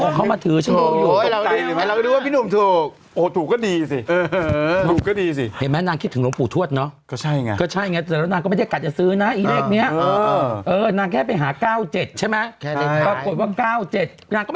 ข่าวใส่ไข่สดใหม่